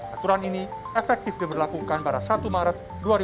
aturan ini efektif diberlakukan pada satu maret dua ribu dua puluh